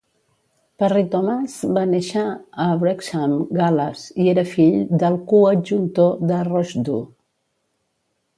Parry-Thomas va néixer a Wrexham, Gal·les, i era fill del coadjutor de Rhosddu.